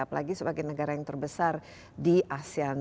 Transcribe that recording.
apalagi sebagai negara yang terbesar di asean